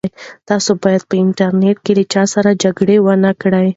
تاسي باید په انټرنيټ کې له چا سره جګړه ونه کړئ.